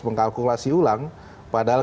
mengkalkulasi ulang padahal